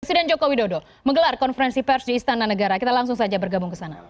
presiden joko widodo menggelar konferensi pers di istana negara kita langsung saja bergabung ke sana